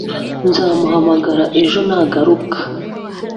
nzabahamagara ejo nagaruka